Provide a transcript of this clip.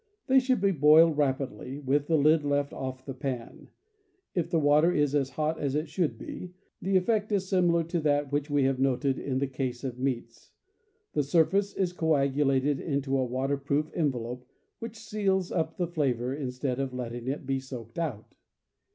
They should be boiled rapidly, with the lid left off the pan. If the water is as hot as it should be, the effect is similar to that which we have noted in the case of meats: the surface is coagulated into a water proof envelope which seals up the flavor instead of letting it be soaked out.